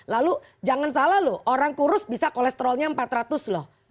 lalu jangan salah loh orang kurus bisa kolesterolnya empat ratus loh